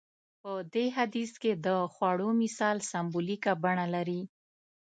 په دې حديث کې د خوړو مثال سمبوليکه بڼه لري.